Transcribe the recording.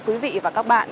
quý vị và các bạn